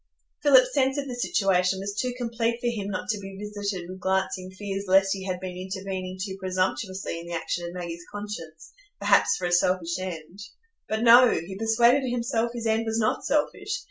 Philip's sense of the situation was too complete for him not to be visited with glancing fears lest he had been intervening too presumptuously in the action of Maggie's conscience, perhaps for a selfish end. But no!—he persuaded himself his end was not selfish.